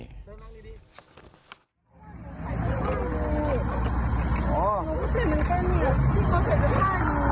ไม่พี่หนีทำไม